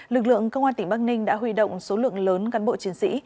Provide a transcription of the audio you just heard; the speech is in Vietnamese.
lực lượng công an tỉnh bắc ninh đã huy động số lượng lớn cán bộ chiến sĩ